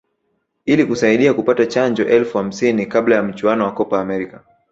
ili kusaidia kupata chanjo elfu hamsini kabla ya mchuano wa Copa America